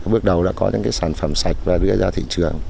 bước đầu đã có những sản phẩm sạch và đưa ra thị trường